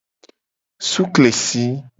Sukesi.